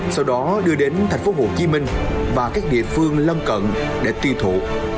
sau đó đưa đến thành phố hồ chí minh và các địa phương lâm cận để tiêu thụ